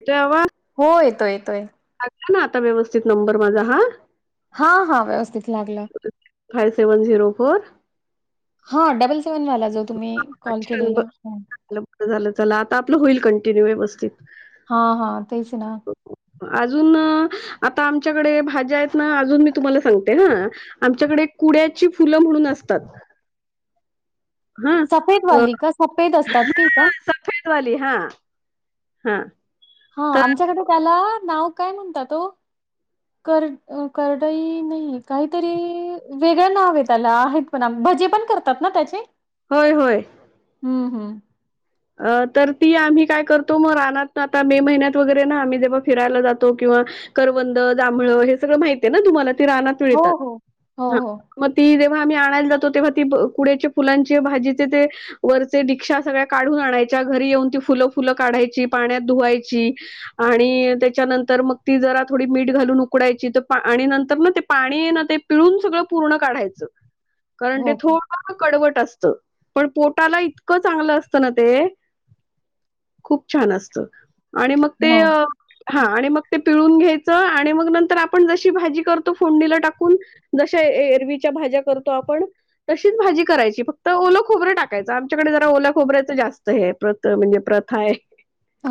येतोय आवाज हो, येतोय येतोय. टाकला ना आता व्यवस्थित नंबर माझा हा हा हा, व्यवस्थित लागला. फाइव, सेव्हन, झिरो, फोर हां, डबल सेव्हन वाला जो तुम्ही कॉल अच्छा केलेला. [unintelligible] आता आपलं होईल कंटिन्यू व्यवस्थित. हा हा, तेच ना. अजून, आता आमच्याकडे भाज्या आहेत ना, अजून मी तुम्हाला सांगते हा. आमच्याकडे कुड्याची फुलं म्हणून असतात हा सफेद वाली का? सफेद असतात ती का? [unintelligible] वली हा. हा. हा, तर आमच्याकडे त्याला नाव काय म्हणतात ओ? कर करडही नाही, काहीतरी वेगळ् नाव ये त्याला प भजी पण करतात ना त्याचे? होय होय. हम्म हम्. अ तर ती आम्ही काय करतो मग, रानात आता मे महिन्यात वगैरे ना, आम्ही जेव्हा फिरायला जातो किंवा करवंद जांभळ, हे सगळं माहती आहे ना तुम्हाला, ते रानात हो मिळतात, हो. हो हा हो मग ती जेव्हा आम्ही आणायला जातो, तेव्हा ती कुड्याचे फुलांचे भाजीचे ते वरचे दीक्षांसा सगळ्या काढून आणायच्या, घरी येऊन ती फुलं फुलं काढायची, पाण्यात धुवायची आणि त्याच्यानंतर मग ती जरा थोडी मीठ घालून उकडायची, तर आणि नंतर ना ते पाणी ना ते पिळून सगळं पूर्ण काढायचं. कारण हो ते थोडं कडवट असतं, पण पोटाला इतकं चांगलं असत असत ना ते, खूप छान असत, आणि मग ते हो का? हा, आणि मग ते पिळून घ्यायचं, आणि मग नंतर आपण जशी भाजी करतो, फोंडनीला टाकून जशा एरवीच्या भाज्या करतो आपण तशीच भाजी करायची, फक्त ओलं खोबरं टाकायचं, आमच्याकडे जरा ओला खोबर् जास्त हे, प्रथ म्हणजे प्रथा आहे.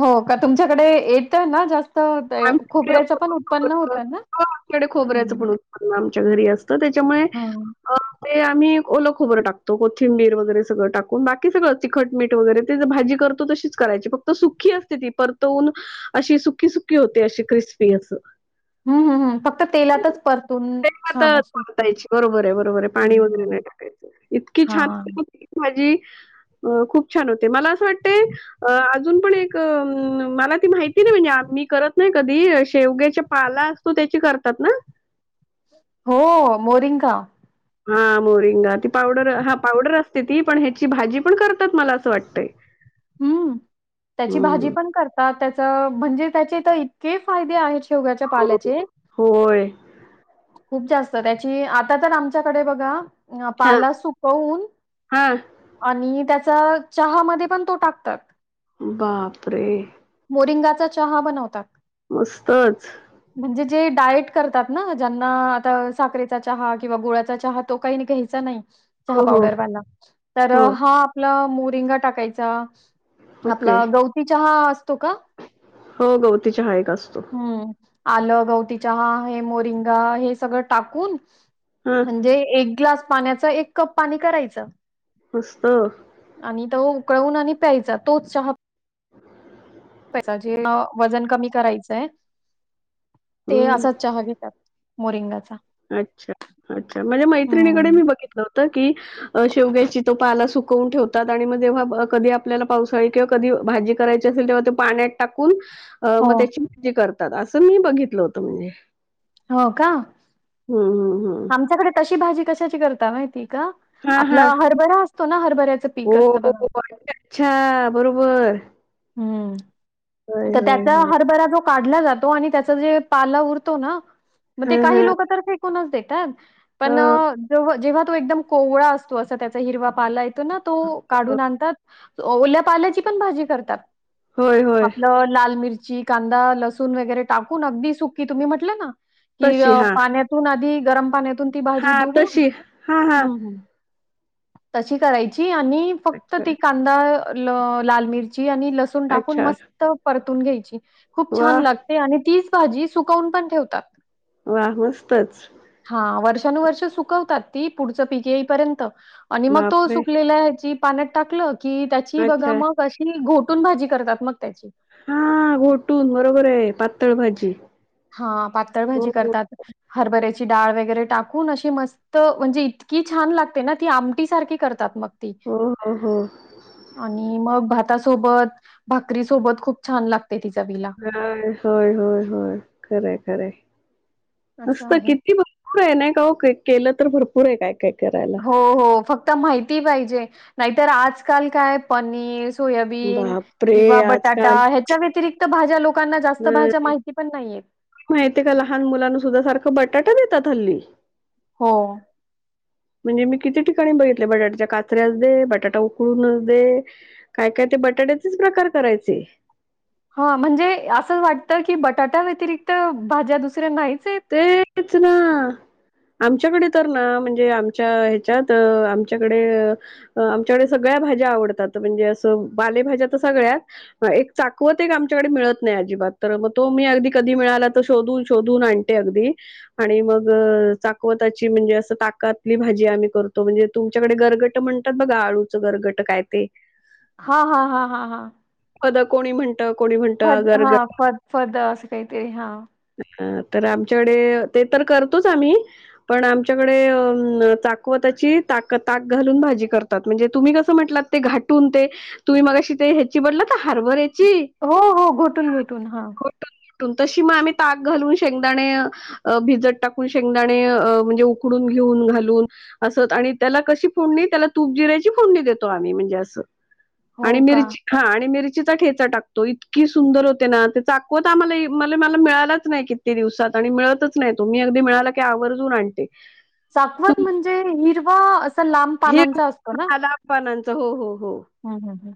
हो का, तुमच्याकडे येत ना जास्त [unintelligible] तर आमच्याकडे खोबऱ्याच पण ओलं उत्पन्न खोबरं हो, होतं ना. आमच्याकडे खोबऱ्याचं पण आमच्या घरी असत त्याच्यामुळे हा. ते आम्ही ओल खोबर टाकतो, कोथिंबीर वगैरे सगळं टाकून, बाकी सगळंच तिखट, मीठ, वगैरे ते भाजी करतो तशीच करायची, फक्त सुखी असते ती परतवून अशी सुकी-सुकी होते, अशी क्रिस्पी असं हं, हं, हं. फक्त तेलातच परतून ते आता छान अशी हं, [unintelligible] बरोबर आहे, बरोबर आहे, पाणी वगैरे हं. नाही टाकायच इतकी छान हां. हो [unintelligible] भाजी अ खूप छान होते, मला असं वाटतय अ अजून पण एक मला ती माहिती नाही म्हणजेी. करत नाही कधी शेवग्याच्या पाला असतो त्याची करतात ना. हो मोरिंकाा. हा मोरिंगा ती पावडर हा पावडर असते ती पण ह्याची भाजी पण करतात मला असं वाटतंय. [inaudible] हम्म त्याची भाजी हं. पण करतात त्याच म्हणजे त्याचे तर इतके फायदे आहेत. शेवग्याच्या पाल्याचे. होय. खूप जास्त त्याची आता तर आमच्याकडे बघा. अ हा पाला सुकवून. हा आणि त्याचा चहा म पण तो टाकतात. बापरे! मोरिंगाचा चहा बनवतात. मस्तच. म्हणजे जे डायट करतात ना ज्यांना आता साखरेचा चहा किंवा गोळ्याचा चहा तो काही नाही काही. चहा हो हो पावडरवा तर हो हा आपला मोिंगा टाकायचा. ओके आपला गवती चहा असतो का? हो गवतीच्या हायक असतो. हं. आलं गवती चहा हे मोरिंगा हे सगळं टाकून. हा म्हणजे एक ग्लास पाण्याच एक कप पाणी करायचं. मस्त. आणि तो उकळवून आणि प्यायचा तोच चहा. वजन कमी करायचंय. ते हम्म असाच चहा घेतात मोरिंगाचा. अच्छा अच्छा म्हणजे हं. मैत्रिणीकडे मी बघितलं होतं की. शेव घ्यायची तो पाला सुकवून ठेवतात आणि मग जेव्हा कधी आपल्याला पावसाळी किंवा कधी भाजी. कराय असेल तेव्हा ते पाण्यात टाकून हो. मग त्याची भाजी करतात असं मी बघितलं होतं म्हणजे. हो का. हा हा. आमच्याकडे तशी भाजी कशाची करता माहिती का. हा आपला हा हरभरा असतो ना हरभऱ्याचं हो पीक असतं हो, बघा. हो. अच्छा अच्छा बरोबर हम्म होय तर होय त्याचा होय हरभरा जो काढला जातो आणि त्याच जे पाला उरतो ना मग ते हा हा काही लोक तर फेकूनच देतात. पण हो जेव्हा जेव्हा तो एकदम कोवळा असतो असं त्याचा हिरवा पाल. ना तो काढून आणतात ओल्या पाल्याची पण भाजी करतात. होय होय आपलं लाल मिरची. कांदा लसूण वगैरे टाकून अगदी सुकी तुम्ही म्हटले ना की तशी हा पाण्यातून आधी. गरम पाण्यातून ती हा भाजी धुवून तशी हा हा हम्म ह्. तशी करायची आणि फक्त अच्छा ती कांदा ल. लाल मिरची आणि ल लंसुन टाकून अच्छा मस्त परतून घ्यायची खूप वा छान लाग आणि तीच भाजी सुकवून पण ठेवतात. वा मस्तच. हा वर्षानुवर्ष सुकवतात ती पुढचं पीक येईपर्यंत. आणि मग तो बापरे सुकलेला ह्याची पाण्यात टाकलं की त्याची बघा अच्छा मग. ती घोटून भाजी करतात मग त्याची. हा घोटून बरोबर आहे पातळ भाजी हा पातळ भाजी हो हो करतात हरभऱ्याची डाळ वगैरे टाकून अशी मस्त त म्हणजे इतकी छान लागते ना ती आमटीसारखी करतात मग ती हो हो आणि मग भातासोबत भाकरी सोबत खूप छान लागते ति चवीला. होय होय होय होय खरं खरं असं नुसतं आहे. किती बघ पुर आहे नाही काव का केलं तर भरपूर आहे काय काय करायला हो हो फक्त माहिती पाहिजे नाहीतर आजकाल काय पनीर सोयाबीन बापरे किंवा बटाटा आजकाल हया त्याच्या व्यतिरिक्त भाज्या लोकांना जास्त भाज्या माहिती पण नाही येत. माहितेका लहान मुलांना सुद्धा सारखं बटाटा देतात हल्ली हो म्हणजे मी किती ठिकाणी बघितले बटाट्याच्या काचऱ्याच दे बटाटा उकडूनच दे. काय काय ते बटाट्याचेच प्रकार करायचे. हा म्हणजे असं वाटतं की बटाट्या व्यतिरिक्त भाज्या दुसऱ्या नाही चेत. तेच ना आमच्याकडे तर ना म्हणजे आमच्या ह्याच्यात आमच्याकडे आमच्याकडे सगळ्या भाज्या आवडतात म्हणजे असं पालेभाज्या तर सगळ्याच एक चाकवत एक आमच्याकडे मिळत नाही अजिबात तर मग तो मी अगदी कधी मिळाला तर शोधून शोधून आणते. अगदि आणि मग चाकवताची म्हणजे असं ताकातली भाजी आम्ही करतो म्हणजे तुमच्याकडे गरगटं म्हणतात बघा आळूचं गरगट काय ते हा हा हा हा हा फद कोणी म्हणत कोणी म्हणतं फद हा गरगट फद फद असं काहीतरी हा अ तर आमच्याकडे ते तर करतोच आम्ही पण आमच्याकडे अ न चाकवताची ताक ताक घालून भाजी करत म्हणजे तुम्ही कसं म्हटलात ते घाटून ते तुम्ही मगाशी ते ह्याची म्हणलात हारभराची याची हो हो घुटून घुटून हा त तशी आम्ही ताक घालून शेंगदाणे अ अ भिजत टाकून शेंगदाणे म्हणजे उकडून घेऊन घालून असं आणि त्याला कशी फोडणी त्याला तूप जिरायाची फोडणी देतो आम्ही म्हणजे असं आणि हो का. मिरची हा आणि मिरचीचा ठेचा टाकतो इतकी सुंदर होते ना ते चाकवत आम्हाला मला मिळाल मिळतच किती दिवसात आणि मिळतच नाही तो अगदी मिळाला की आवर्जून आणते. चाकवत तुम म्हणजे हिरवा असं लांब पानांचा असतो ना? लाब पानाच हो हो हो हम्म हम्म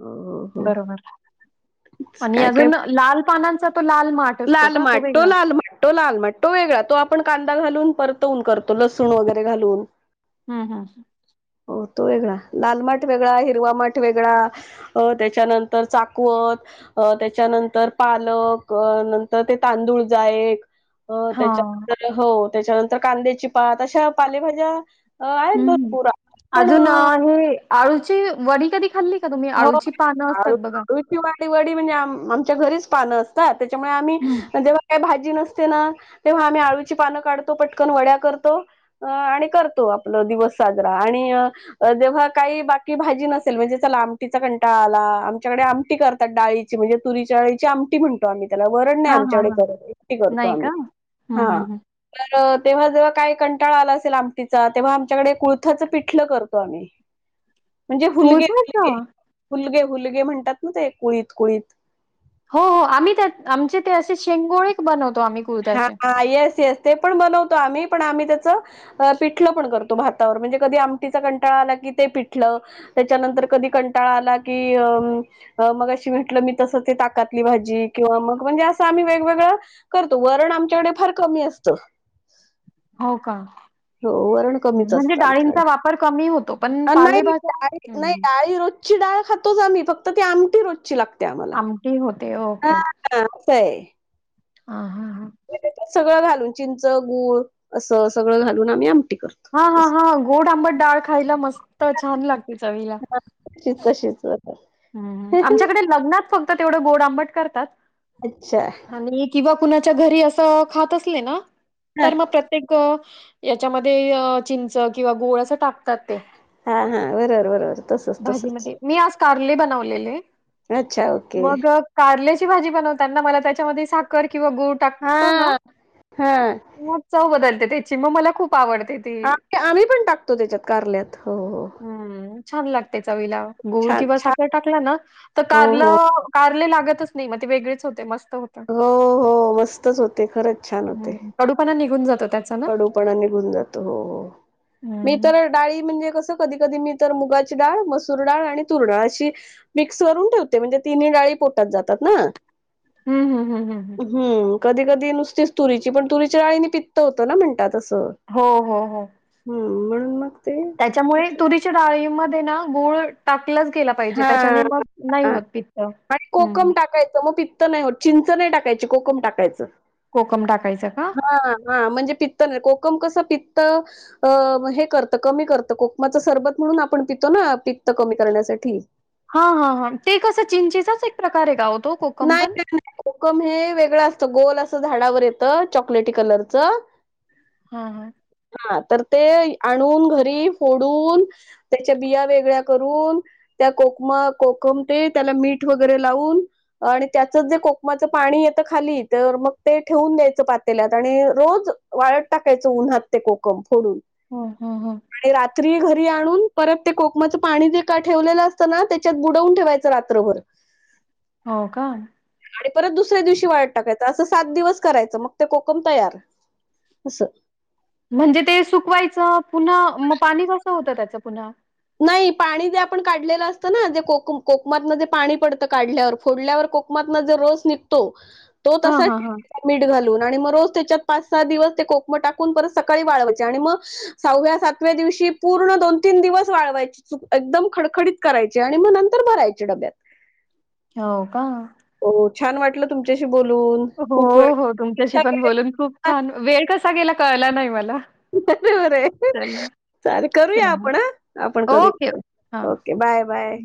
हो हो हो. बरोबर आणि काय काय अजून लाल पानाचा तो लाल माठ असतो लाल का माठ तो वेगळा? लाल माठ तो लाल माट तो वेगळा तो आपण कांदा घालून परतवून करतो लसूण वगैरे घालून. हा हा हो तो वेगळा लाल माठ वेगळा हिरवा माठ वेगळा अ त्याच्यानंतर चाकवत त्याच्यानंतर पालक नंतर ते तांदूळ जा एक हां. त्याच्या हो त्याच्यानंतर कांद्याची पात अशा पालेभाज्या अ आहेत हम् भरपूर अजून पण हे आळूची वडी कधी खाल्ली का तुम्ही? हो अळूची पानं असतात बघा. आळूची वाडी वाडी म्हणजे आ आमच्या घरीच पानं अस त्तर त्याच्यामुळे आम्ही हं. जेव्हा काही भाजी नस तना तेव्हा आम्ही आळूची पानं काढतो पटकन वड्या करतो. अ आणि करतो आपला दिवस साजरा. आणि, जेव्हा काही बाकी भाजी नसेल म्हणजे लांब तिचा कंटा आला आमच्याकडे आमटी करतात डाळीची म्हणजे तुरी डाळीची आमटी म्हण आम्ही त्याला वरण नाही हां, हां, आमच्याकडे हां. करत [unintelligible] करतो नाही का? आम्ही हं, हा. हं, हं. तर तेव्हा जेव्हा काय कंटाळा आला असेल आमटीचा तेव्हा आमच्याकडे कुळथाचं पिठलं करतो आम्ही. [inaudible] म्हणजे हुलगे कुळथाच? हलगे हुलगे हुलगे म्हणतात ना ते कुळीत कुळीत हो हो आम्ही त्या आमचे ते असे शेंगोळे बनवतो आम्ही कुळथाचे. हा येस येस ते पण बनवतो आम्ही पण आम्ही त्याच अ पिठलं पण करतो भातावर म्हणजे कधी आमटीचा कंटाळा आला की ते पिठलं त्याच्यानंतर कधी कंटाळा आला कि अ अ मग अशी म्हेटलं मी तसं ते ताकातली भाजी किंवा मग म्हणजे असं आम्ही वेगवेगळं करतो. वरण आमच्याकडे फार कमी असतं. हो का? हो वरण हं, कमीच म्हणजे असतं आमच्याकडे डाळींचा वापर कमी होतो, पण हा नाही पालेभाज्या डाळी हं, नाही हं. डाळी रोज ची डाळ खातोच आम्ही फक्त ती आमटी रोजची लागते आम्हाल. आमटी होते. [unintelligible] ह ह. त सगळं घालून चिंच गूळ असं सगळं घालून आम्ही आमटी करतो. हा हा हा गोड आंबट डाळ खायला मस्त छान लागते चवीला. शी तशीच आमच्याकडे लग्नात फक्त तेवढं गोड आंबट करतात. अच्छा, आणि किंवा कुणाच्या घरी असं खात असले ना हा तर मग प्रत्य प्रत्येक याच्यामध्ये चिंच किंवा गोळ असं टाकतात ते. हा हा बरोबर बरोबर तसच तसंच. भाजीमध्ये. मी आज कार्ले बनवलेले अच्छा ओके मग कारल्याची भाजी बनवताना मला त्याच्यामध्ये साखर किंवा गोठ हा टाकतो ना हा मग चव बदलते त्याची मग मला खूप आवडते. ती. आ आम्ही पण टाकतो त्याच्यात कारल्यात हो हो, हम्म छान लागते च वईला गोळ छान किंवा छान साखर टाकला ना तर हो हो कारलं कारले लागतच नाही मग ते वेगळेच होते मस्त होते. हो हो मस्तच होते खरंच छान होते. हं. कडूपणा निघून जातो त्याच, कडूपणा निघून जातो हो हो मी हम्म तर डाळी म्हणजे कसं कधी कधी मी तर मुगाची डाळ मसूर डाळ आणि तूर डाळ अशी मिक्स वून ठेवते म्हणजे तिन्ही डाळी पोटात जातात ना, हम् हम्म हम हम हम, हम् कधी कधी नुसतीच तुरीची पण तुरीच्या राळीनी पित्त होतं ना म्हणतात असं. हो हो हो, हम्म म्हणून मग ते त्याच्यामुळे तुरीच्या डाळीमध्ये ना गुळ टाकलंच गेला पाहिजे हा त्याच्याने मग नाही होत पित्त ह काय मग पित [unintelligible] नाही हो चिंच नाही टाकायची कोकम टाकायचं. कोकम टाकायचं का? हा हा म्हणजे पित्त नाही कोकम कसं पित्त अ हे करतं कमी करतं कोकमाचं सरबत म्हणून आपण पितो ना प्त कमी करण्यासाठी हा हा हा ते कसं चिंचेचाच एक प्रकार आहे कावतो. नाही का नाही कोकम हे वेगळं असतं गोल असं झाडावर येत चॉकलेटी कलरचं ह -ह, हा तर ते आणून घरी फोडून त्याच्या बिया वेगळ्या करून त्या कोकम कोकम ते त्याला मीठ वगैरे लावून आणि त्याचंच जे कोकमाचं पाणी येतं खाली तर मग ते ठेवून द्यायचं पातेलात आणि रोज वाळत टाकायचं उन्हात ते कोकम फोडून. हो, हा, हा. आणि रात्री घरी आणून परत ते कोकमाचं पाणी जे का ठेवलेलं असतं ना त्याच्यात बुडवून ठेवायचं रात्रभर. हो, का. आणि परत दुसऱ्या दिवशी वायात टाकायचं असं सात दिवस करायचं मग ते कोकम तयार. अस. म्हणजे ते सुकवायचं पुन्हा मग पाणी कसं होतं त्याचं पुन्हा नाही पाणी जे आपण काढलेलं असतं ना जे कोक कोकमातन जे पाणी पडतं काढल्यावर फोडल्यावर कोक लकमात जर रोस निघतो तो हां, तसा हां, हां. मीठ घालून आणि मग रोज त्याच्यात पाच सहा दिवस ते कोकम टाकून परत सकाळी वाळवायचे आणि मग सवव्या सातव्या दिवशी पूर्ण दोन तीन दिवस वाळवायची चक एकदम खडखडीत करायची आणि मग नंतर भरायचे डब्यात. हो, का? हो छान वाटलं तुमच्याशी बोलून. हो खूप वेळ हो तुमच्याशी पण बोलून खूप छान वेळ कसा गेला कळला नाही मला. बरोबर आहे चला, चाले करूया चला. आपण ह आपण करू. Okay, okay. हां. Okay, bye, bye.